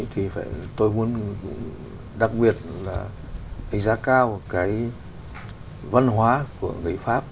thì tôi muốn đặc biệt là đánh giá cao cái văn hóa của người pháp